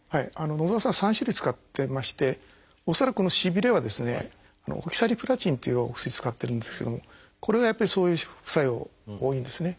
野澤さんは３種類使ってまして恐らくこのしびれはですね「オキサリプラチン」っていうお薬使ってるんですけどもこれがやっぱりそういう副作用多いんですね。